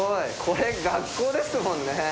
これ学校ですもんね。